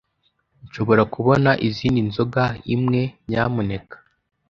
Nshobora kubona izindi nzoga imwe, nyamuneka?